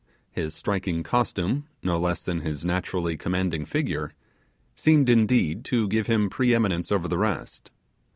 His striking costume, no less than his naturally commanding figure, seemed indeed to give him pre eminence over the rest.